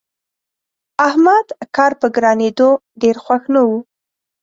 احمد کار په ګرانېدو ډېر خوښ نه وو.